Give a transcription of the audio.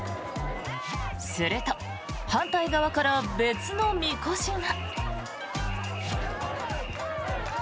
すると、反対側から別のみこしが。